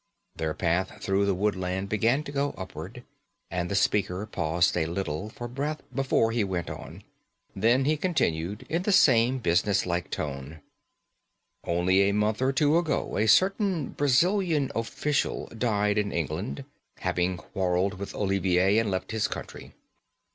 Their path through the woodland began to go upward, and the speaker paused a little for breath before he went on. Then he continued in the same business like tone: "Only a month or two ago a certain Brazilian official died in England, having quarrelled with Olivier and left his country.